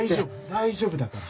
大丈夫だから。